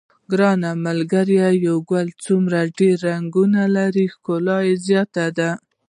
ګرانه ملګریه یو ګل څومره ډېر رنګونه لري ښکلا زیاته ده.